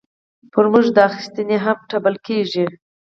پر موږ دا اخیستنه هم تپل کېږي.